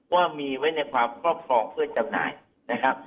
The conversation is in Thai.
ว่ามีไว้ในความครอบครองเพื่อจำหน่ายนะครับ